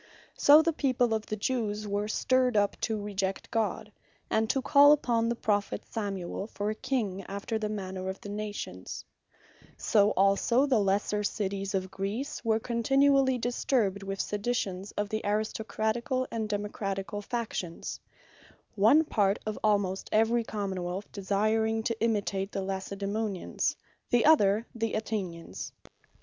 So the people of the Jewes were stirred up to reject God, and to call upon the Prophet Samuel, for a King after the manner of the Nations; So also the lesser Cities of Greece, were continually disturbed, with seditions of the Aristocraticall, and Democraticall factions; one part of almost every Common wealth, desiring to imitate the Lacedaemonians; the other, the Athenians.